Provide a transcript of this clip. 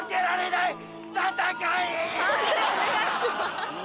判定お願いします。